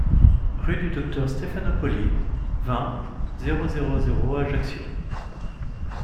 Rue du Docteur Stéphanopoli, vingt, zéro zéro zéro Ajaccio